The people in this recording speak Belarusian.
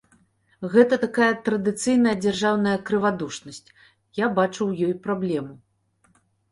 Гэта такая традыцыйная дзяржаўная крывадушнасць, я бачу ў ёй праблему.